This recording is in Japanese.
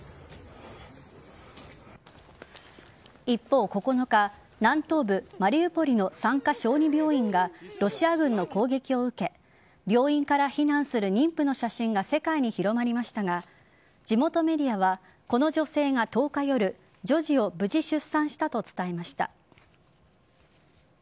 一方、９日南東部・マリウポリの産科・小児病院がロシア軍の攻撃を受け病院から避難する妊婦の写真が世界に広まりましたが地元メディアはこの女性が１０日夜女児を無事出産したと伝えました。